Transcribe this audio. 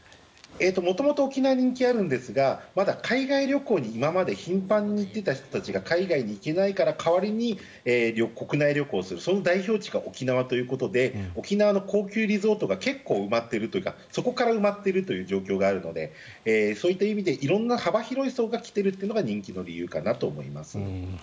元々、沖縄は人気あるんですが海外旅行に頻繁に行っていた人が海外に行けない代わりに国内旅行をするその代表地が沖縄ということで沖縄の高級リゾート地が結構、埋まっているというかそこから埋まっているという状況があるのでそういった意味で色んな幅広い層が来ているのが人気の理由かなと思います。